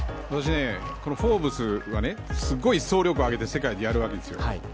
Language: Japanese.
私はフォーブスが総力を挙げて世界でやるわけです。